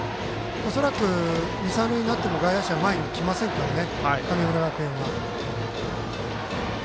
恐らく、二塁三塁になっても外野手は前に来ませんからね。